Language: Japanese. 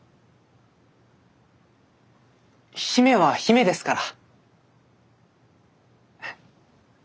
姫は姫ですから。